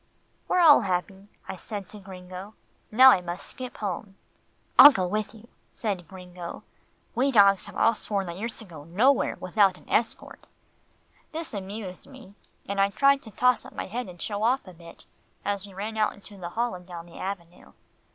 "They're all happy," I said to Gringo, "now I must skip home." "I'll go with you," said Gringo. "We dogs have all sworn that you're to go nowhere without an escort." This amused me, and I tried to toss up my head and show off a bit, as we ran out into the hall and down the avenue.